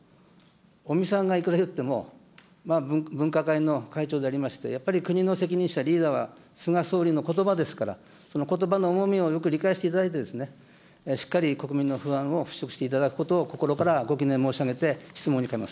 尾身さんがいくら言っても、分科会の会長でありまして、やっぱり国の責任者、リーダーは菅総理のことばですから、そのことばの重みをよく理解していただいてですね、しっかり国民の不安を払拭していただくことを心からご懸念申し上げて、質問に変えます。